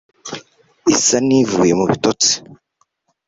isa n'ivuye mu bitotsi